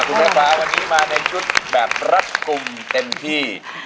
แม่ฟ้าวันนี้มาในชุดแบบรัดกลุ่มเต็มที่